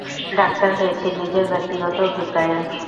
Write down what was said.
Doctor হয়েছি নিজের ব্যক্তিগত অভিপ্রায়ে।